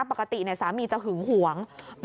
ปกติสามีจะหึงหวง